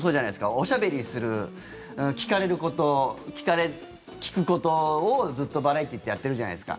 おしゃべりする聞かれること、聞くことをずっとバラエティーってやっているじゃないですか。